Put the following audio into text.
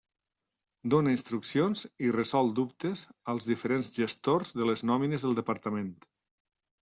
Dóna instruccions i resol dubtes als diferents gestors de les nòmines del Departament.